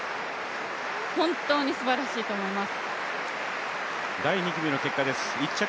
本当にすばらしいと思います。